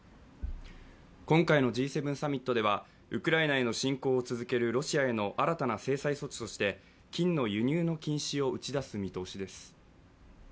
今回のＧ７サミットではウクライナへの侵攻を続けるロシアへの新たな制裁措置として金の輸入の禁止を打ち出す見通しです。